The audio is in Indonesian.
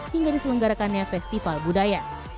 hingga diselenggarakannya festival budaya